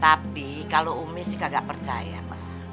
tapi kalau umi sih nggak percaya bang